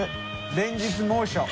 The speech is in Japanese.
連日猛暑！